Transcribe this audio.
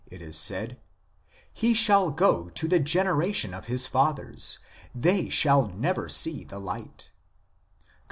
it is said :" He shall go to the generation of his fathers, they shall never see the light "; cp.